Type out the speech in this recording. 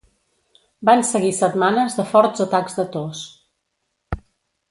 Van seguir setmanes de forts atacs de tos.